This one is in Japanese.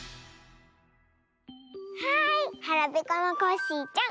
はいはらぺこのコッシーちゃん